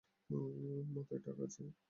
মাথায় টাক আছে?